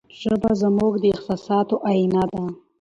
ژبه زموږ د احساساتو آینه ده.